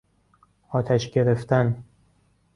آتش گرفتن